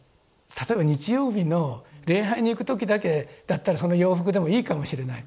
例えば日曜日の礼拝に行く時だけだったらその洋服でもいいかもしれない。